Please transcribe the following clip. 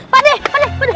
pak dek pak dek